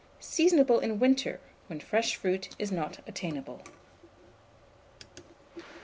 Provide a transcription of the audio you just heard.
Seasonable in winter, when fresh fruit is not obtainable.